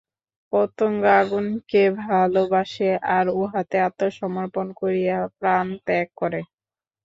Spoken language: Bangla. পতঙ্গ আগুনকে ভালবাসে, আর উহাতে আত্মসমর্পণ করিয়া প্রাণত্যাগ করে।